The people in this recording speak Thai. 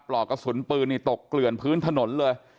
ปลอกกระสุนปืนนี่ตกเกลื่อนพื้นถนนเลย